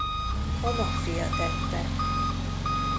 A maffia tette.